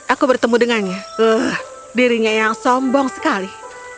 aku bertemu dengannya dirinya yang sombong sekali